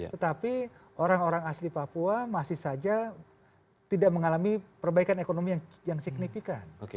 tetapi orang orang asli papua masih saja tidak mengalami perbaikan ekonomi yang signifikan